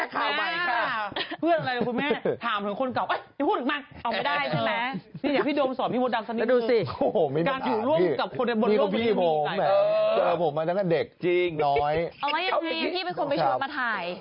เอายังไงพี่เป็นคนไปชวนมาถ่าย